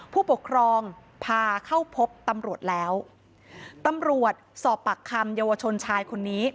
ผู้ปกครองพาเข้าพบตำรวจแล้วตำรวจสอบปากคำเยาวชนชายคนนี้